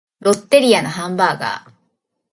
ロッテリアのハンバーガー